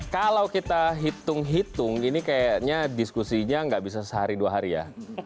kalau kita hitung hitung ini kayaknya diskusinya nggak bisa sehari dua hari ya